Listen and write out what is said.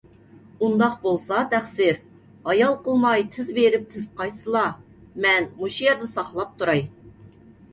ئۇنداق بولسا تەقسىر، ھايال قىلماي تېز بېرىپ تېز قايتسىلا! مەن مۇشۇ يەردە ساقلاپ تۇراي.